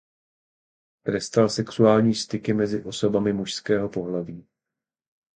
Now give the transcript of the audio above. Trestal sexuální styky mezi osobami mužského pohlaví.